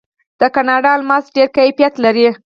د کاناډا الماس ډیر کیفیت لري.